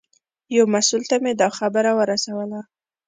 یو مسوول ته مې دا خبره ورسوله.